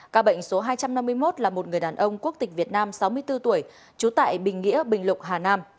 ca bệnh số hai trăm năm mươi một là một người đàn ông quốc tịch việt nam sáu mươi bốn tuổi trú tại bình nghĩa bình lục hà nam